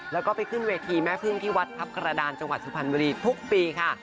แล้วก็ไปขึ้นเวทีแม่พึ่งที่วัดทัพกระดานจังหวัดสุพรรณบุรีทุกปีค่ะ